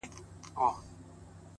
يې ه ځكه مو په شعر كي ښكلاگاني دي،